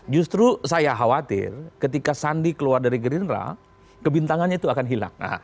justru saya khawatir ketika sandi keluar dari gerindra kebintangannya itu akan hilang